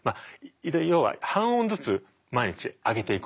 要は半音ずつ毎日上げていくわけです。